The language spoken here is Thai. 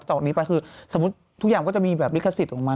ต่อไปนี้ไปคือสมมุติทุกอย่างก็จะมีแบบลิขสิทธิ์ของมัน